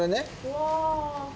うわ。